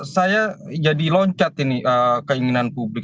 saya jadi loncat ini keinginan publik